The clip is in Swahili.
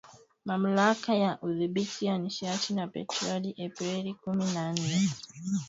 Mamlaka ya Udhibiti wa Nishati na Petroli Aprili kumi na nne wakitumaini bei ya mafuta kuwa juu zaidi